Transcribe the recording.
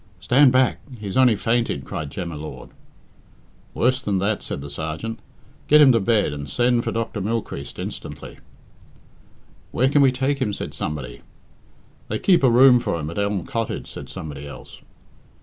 "Stand back! He has only fainted," cried Jem y Lord. "Worse than that," said the sergeant. "Get him to bed, and send for Dr. Mylechreest instantly." "Where can we take him?" said somebody. "They keep a room for him at Elm Cottage," said somebody else.